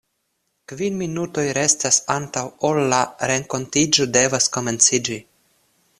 Kvin minutoj restas antaŭ ol la renkontiĝo devas komenciĝi.